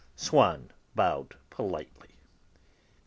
Swann bowed politely.